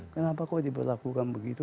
kenapa kok diperlakukan begitu